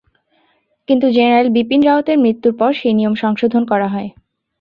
কিন্তু জেনারেল বিপিন রাওয়াতের মৃত্যুর পর সেই নিয়ম সংশোধন করা হয়।